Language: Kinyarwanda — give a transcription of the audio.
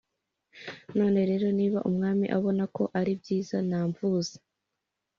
None rero niba umwami abona ko ari byiza namvuze